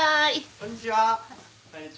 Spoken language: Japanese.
こんにちは。